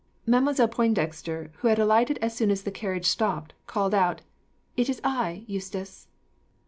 Mademoiselle Pointdexter, who had alighted as soon as the carriage stopped, called out, "It is I, Eustace."